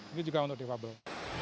ini juga untuk defable